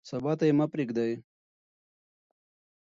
سبا ته یې مه پرېږدئ.